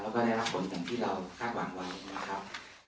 แล้วก็ได้รับผลอย่างที่เราคาดหวังไว้นะครับ